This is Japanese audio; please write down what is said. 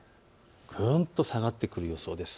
ぐんと下がってくる予想です。